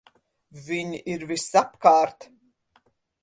Viņi ir visapkārt!